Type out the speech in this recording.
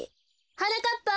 はなかっぱ！